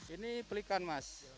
ini pelikan mas